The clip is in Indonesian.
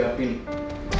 ah bener tuh